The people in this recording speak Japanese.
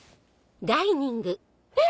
えっ！